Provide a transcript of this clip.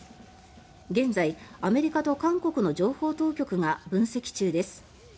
現在アメリカと韓国の情報当局が分析中です。